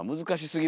難しい。